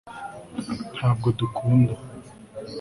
ntabwo dukunda